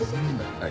はい。